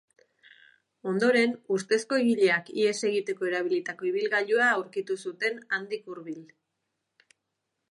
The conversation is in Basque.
Ondoren, ustezko egileak ihes egiteko erabilitako ibilgailua aurkitu zuten handik hurbil.